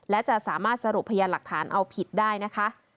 และจะสามารถสรุปพยานหลักฐานเอาผิดได้นะคะ